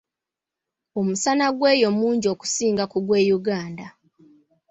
Omusana gw’eyo mungi okusinga ku gw’e Uganda.